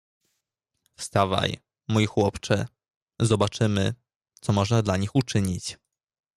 "Wstawaj, mój chłopcze; zobaczymy, co można dla nich uczynić."